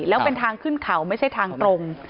แล้วเป็นทางขึ้นเขาไม่ใช่ทางตรง